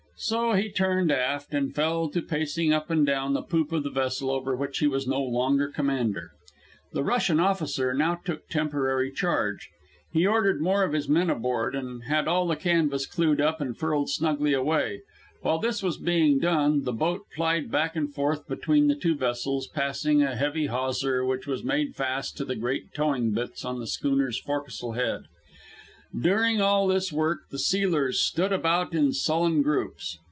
So he turned aft, and fell to pacing up and down the poop of the vessel over which he was no longer commander. The Russian officer now took temporary charge. He ordered more of his men aboard, and had all the canvas clewed up and furled snugly away. While this was being done, the boat plied back and forth between the two vessels, passing a heavy hawser, which was made fast to the great towing bitts on the schooner's forecastle head. During all this work the sealers stood about in sullen groups.